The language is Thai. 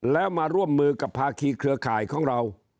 แล้วมาร่วมมือกับภาคีเครือข่ายของเรา